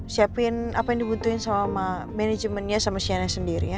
siapin apa yang dibuntuin sama manajemennya sama cnn sendiri ya